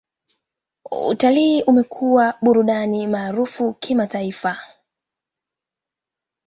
Utalii umekuwa burudani maarufu kimataifa.